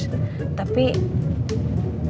pengen cepet cepet dateng ke kampus